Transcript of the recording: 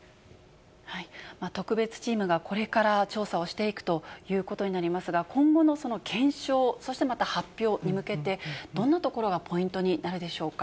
特別チームがこれから調査をしていくということになりますが、今後のその検証、そしてまた発表に向けて、どんなところがポイントになるでしょうか。